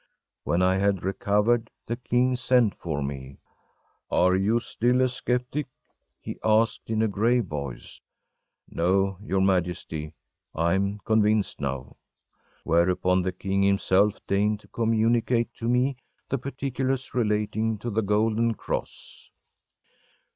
When I had recovered, the king sent for me. “Are you still a skeptic?‚ÄĚ he asked in a grave voice. “No, your Majesty, I am convinced now.‚ÄĚ Whereupon the king himself deigned to communicate to me the particulars relating to the golden cross.